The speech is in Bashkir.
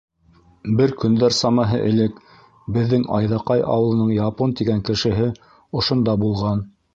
Бер көндәр самаһы элек беҙҙең Айҙаҡай ауылының Япон тигән кешеһе ошонда булған.